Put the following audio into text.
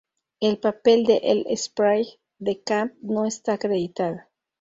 El papel de L. Sprague de Camp no está acreditado.